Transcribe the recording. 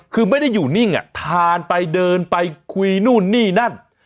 คือไม่ได้อยู่นิ่งทานไปเดินไปคุยนู่นนี่นั่น